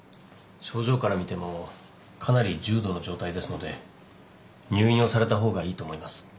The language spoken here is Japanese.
症状から見てもかなり重度の状態ですので入院をされた方がいいと思います。